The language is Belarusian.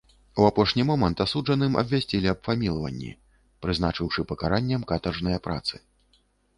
У апошні момант асуджаным абвясцілі аб памілаванні, прызначыўшы пакараннем катаржныя працы.